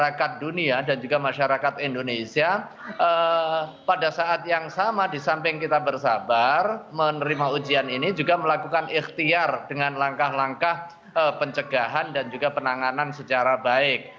masyarakat dunia dan juga masyarakat indonesia pada saat yang sama di samping kita bersabar menerima ujian ini juga melakukan ikhtiar dengan langkah langkah pencegahan dan juga penanganan secara baik